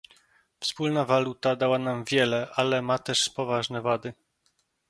Wspólna waluta dała nam wiele, ale ma też poważne wady